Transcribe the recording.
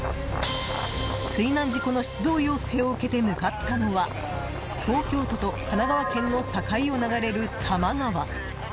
水難事故の出動要請を受けて向かったのは東京都と神奈川県の境を流れる多摩川。